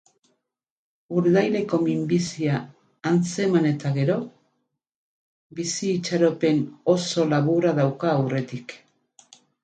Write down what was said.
Urdaileko minbizia antzeman eta gero, bizi-itxaropen oso laburra dauka aurretik.